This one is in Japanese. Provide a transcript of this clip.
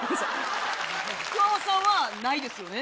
熊元さんはないですよね。